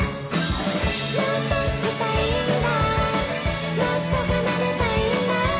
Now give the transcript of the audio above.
「もっと弾きたいんだもっと奏でたいんだ」